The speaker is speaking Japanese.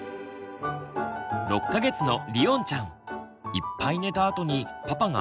いっぱい寝たあとにパパが